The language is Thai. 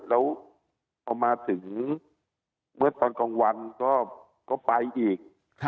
แล้วพอมาถึงเมื่อตอนกลางวันก็ไปอีก